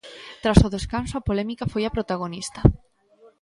Tras o descanso, a polémica foi a protagonista.